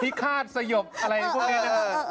ฮิคารสยบอะไรเงี้ย